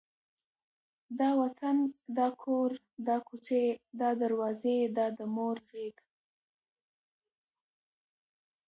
دا وطن، دا کور، دا کوڅې، دا دروازې، دا د مور غېږ،